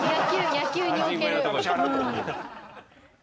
野球における。